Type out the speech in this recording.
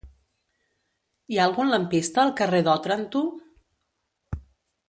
Hi ha algun lampista al carrer d'Òtranto?